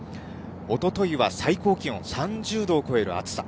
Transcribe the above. おとといは最高気温３０度を超える暑さ。